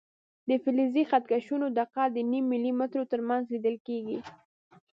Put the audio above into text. د فلزي خط کشونو دقت د نیم ملي مترو تر منځ لیدل کېږي.